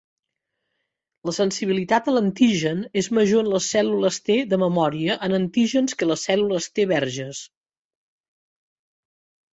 La sensibilitat a l'antigen és major en les cèl·lules T de memòria en antígens que en les cèl·lules T verges.